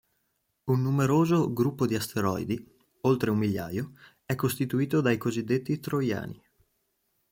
Un numeroso gruppo di asteroidi, oltre un migliaio, è costituito dai cosiddetti troiani.